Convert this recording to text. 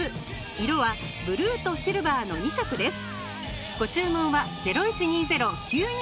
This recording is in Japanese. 色はブルーとシルバーの２色です。